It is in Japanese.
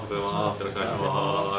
よろしくお願いします。